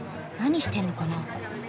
何してんのかな？